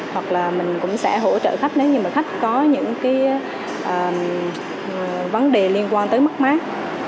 hoặc là mình cũng sẽ hỗ trợ khách nếu như khách có những vấn đề liên quan tới mức mát